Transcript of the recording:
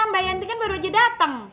mbak yanti kan baru aja datang